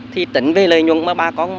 thì tính về lợi nhuận mà bà con